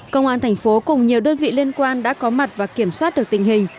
công an thành phố cùng nhiều đơn vị liên quan đã có mặt và kiểm soát được tình hình